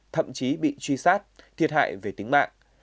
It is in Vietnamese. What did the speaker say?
thậm chí bị truy sát thiệt hại về tính mạng